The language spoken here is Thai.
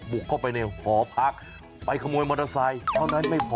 บุกเข้าไปในหอพักไปขโมยมอเตอร์ไซค์เท่านั้นไม่พอ